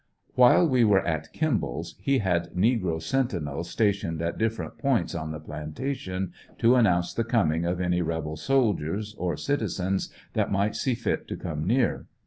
While we were at Kimball's he had negro sentinels stationed at different points on the plantation to announce the coming of any rebel soldiers or citizens that might see fit to come near.